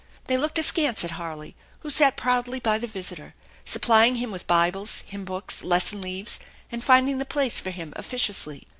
They looked askance at Harley, who sat proudly by the visitor, supplying him with Bibles, hymn books, lesson leaves, and finding the place for him officiously.